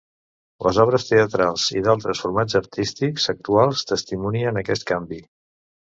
Les obres teatrals i d'altres formats artístics actuals testimonien aquest canvi.